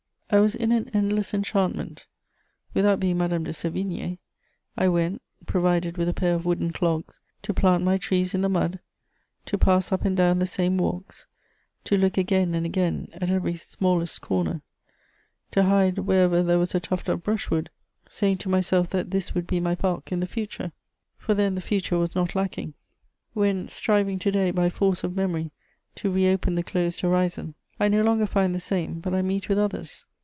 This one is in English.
I was in an endless enchantment; without being Madame de Sévigné, I went, provided with a pair of wooden clogs, to plant my trees in the mud, to pass up and down the same walks, to look again and again at every smallest corner, to hide wherever there was a tuft of brushwood, saying to myself that this would be my park in the future: for then the future was not lacking. When striving, to day, by force of memory to re open the closed horizon, I no longer find the same, but I meet with others.